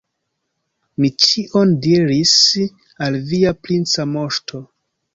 Mi ĉion diris al via princa moŝto.